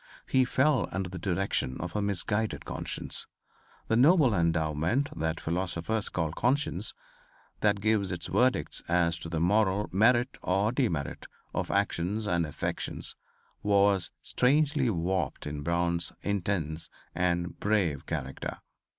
He fell under the direction of a misguided conscience. The noble endowment that philosophers call conscience that gives its verdicts as to the moral merit or demerit of actions and affections, was strangely warped in Brown's intense and brave character.